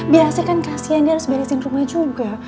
biasa kan kasian dia harus beresin rumah juga